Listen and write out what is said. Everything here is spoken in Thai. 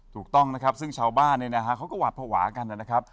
ถูกต้องนะครับสิ่งชาวบ้านนะคะเขาก็หวานพระหวากันน่ะนะครับ